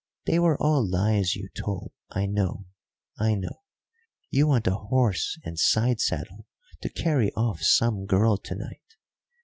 They were all lies you told I know, I know. You want a horse and sidesaddle to carry off some girl to night.